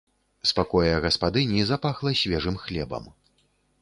З пакоя гаспадыні запахла свежым хлебам.